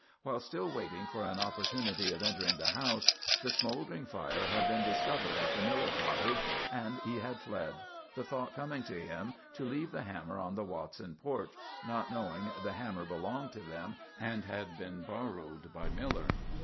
While still waiting for an opportunity of entering the house, the smouldering fire had been discovered at the Miller cottage, and he had fled, the thought coming to him to leave the hammer on the Watson porch, not knowing the hammer belonged to them and had been borrowed by Miller.